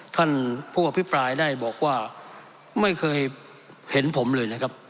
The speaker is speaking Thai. ท่านผู้อภิปรายได้บอกว่าไม่เคยเห็นผมเลยนะครับ